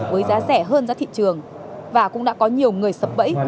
với giá rẻ hơn giá thị trường và cũng đã có nhiều người sập bẫy